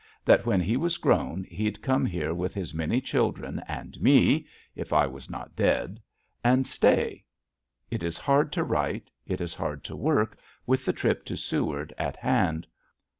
That when he was grown he'd come here with his many children and me, if I was not dead, and stay. It is hard to write, it is hard to work, with the trip to Seward at hand.